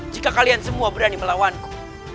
jika kalian semua berani melawanku